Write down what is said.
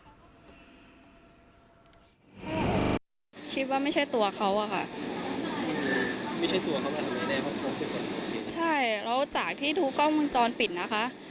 คิดว่าไม่ใช่ตัวเขาอะค่ะไม่ใช่ตัวเขาค่ะใช่แล้วจากที่ดูกล้องมุมจรปิดนะคะ